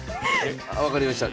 分かりました。